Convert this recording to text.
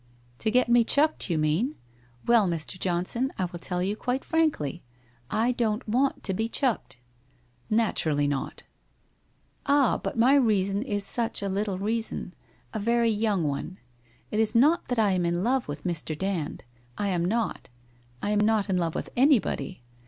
'' To get me chucked, you mean. Well, Mr. Johnson, I will tell you quite frankly, I don't want to be chucked.' 1 Naturally not.' 1 Ah, but my reason is such a little reason — a very young one. It is not that I am in love with Mr. Dand. I am not. I am not in love with anybody.